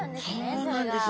そうなんです。